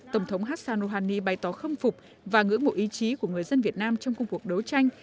tổng thống hassan rouhani bày tỏ khâm phục và ngưỡng mộ ý chí của người dân việt nam trong công cuộc đấu tranh